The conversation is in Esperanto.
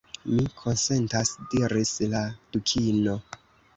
« Mi konsentas," diris la Dukino.